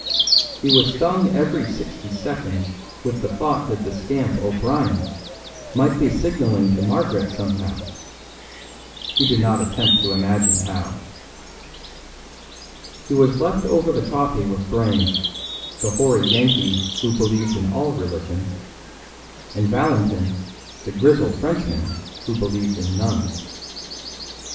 He was stung every sixty seconds with the thought that the scamp O'Brien might be signalling to Margaret somehow; he did not attempt to imagine how. He was left over the coffee with Brayne, the hoary Yankee who believed in all religions, and Valentin, the grizzled Frenchman who believed in none.